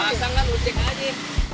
pasangan lu cek aja